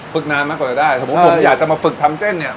ปรึกน้ำมากกว่าจะได้ถ้าผมอยากจะมาปรึกทำเส้นเนี่ย